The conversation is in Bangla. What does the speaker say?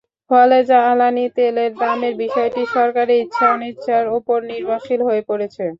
ফলে জ্বালানি তেলের দামের বিষয়টি সরকারের ইচ্ছা-অনিচ্ছার ওপর নির্ভরশীল হয়ে পড়েছে।